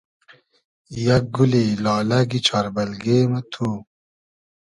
یئگ گولی لالئگی چار بئلگې مہ تو